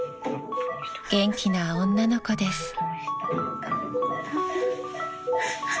［元気な女の子です］